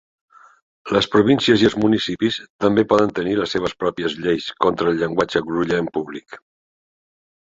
Les províncies i els municipis també poden tenir les seves pròpies lleis contra el llenguatge groller en públic.